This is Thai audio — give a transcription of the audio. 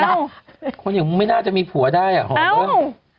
คนอย่างมึงไม่น่าจะมีผัวได้อ่ะหอม